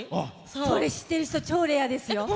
それ、知ってる人超レアですよ。